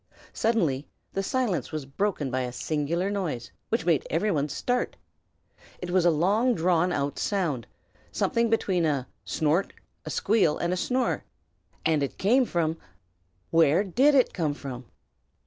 Suddenly the silence was broken by a singular noise, which made every one start. It was a long drawn sound, something between a snort, a squeal, and a snore; and it came from where did it come from?